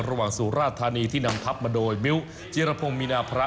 ระหว่างสู่ราธานีที่นำพับมาโดยมิ้วจิรพพมีนาพระ